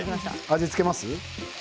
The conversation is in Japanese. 味を付けます？